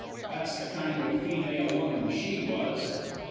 That's the kind o' feemale woman she was.